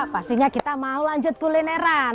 pastinya kita mau lanjut kulineran